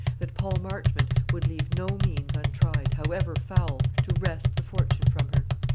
that Paul Marchmont would leave no means untried, however foul, to wrest the fortune from her.